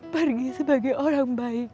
pergi sebagai orang baik